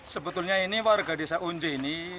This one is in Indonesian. sebetulnya ini warga desa unji ini